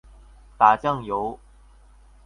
打醬油